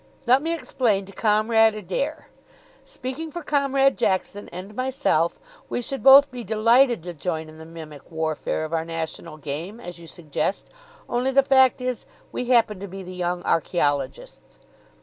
Let me explain to Comrade Adair. Speaking for Comrade Jackson and myself, we should both be delighted to join in the mimic warfare of our National Game, as you suggest, only the fact is, we happen to be the Young Archaeologists.